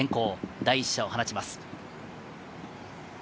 第１射を放ちます。